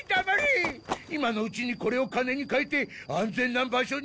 今のうちにこれを金に換えて安全な場所に逃げるんだ！